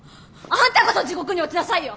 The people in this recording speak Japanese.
あんたこそ地獄に落ちなさいよ！